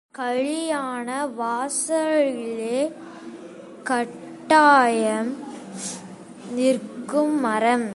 கலியாண வாசலிலே கட்டாயம் நிற்கும் மரம்!